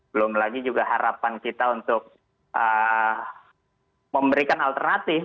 belum lagi juga harapan kita untuk memberikan alternatif